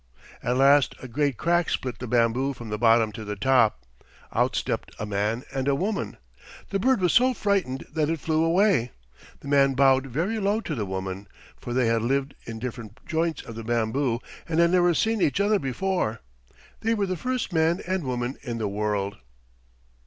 At last a great crack split the bamboo from the bottom to the top. Out stepped a man and a woman. The bird was so frightened that it flew away. The man bowed very low to the woman, for they had lived in different joints of the bamboo and had never seen each other before. They were the first man and woman in the world."